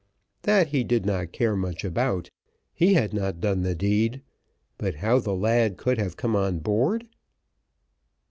That he did not care much about; he had not done the deed; but how the lad could have come on board!